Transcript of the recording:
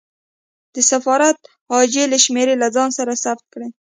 د سفارت عاجل شمېرې له ځان سره ثبت کړه.